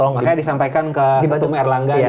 makanya disampaikan ke hukum erlangga